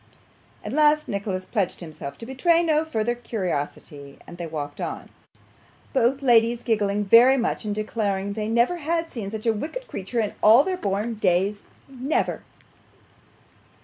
At last Nicholas pledged himself to betray no further curiosity, and they walked on: both ladies giggling very much, and declaring that they never had seen such a wicked creature in all their born days never.